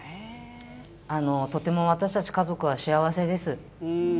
とても私たち家族は幸せです。